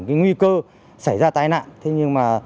những nguy cơ xảy ra tai nạn